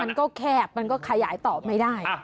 มันก็แคบมันก็ขยายต่อไม่ได้